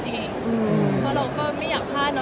เพราะเราก็ไม่อยากพลาดเนอ